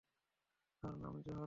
তার নাম জোহরা?